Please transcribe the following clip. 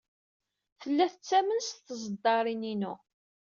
Tella tettamen s teẓdarin-inu.